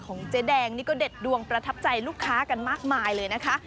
เจ๊แดงนี่ก็เด็ดดวงประทับใจลูกค้ากันมากมายเลยนะคะ